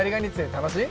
楽しい。